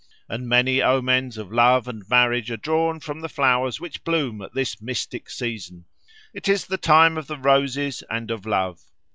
And many omens of love and marriage are drawn from the flowers which bloom at this mystic season. It is the time of the roses and of love.